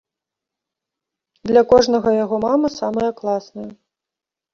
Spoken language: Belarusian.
Для кожнага яго мама самая класная.